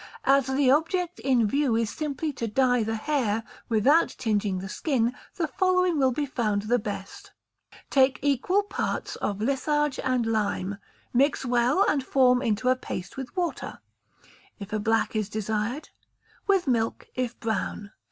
As the object in view is simply to dye the hair without tingeing the skin, the following will be found the best: Take equal parts of litharge and lime; mix well, and form into a paste with water, if a black is desired; with milk if brown.